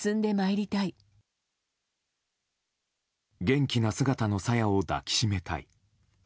元気な姿の朝芽を抱きしめたい。